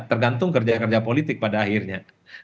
tergantung kerja kerja politik pada akhirnya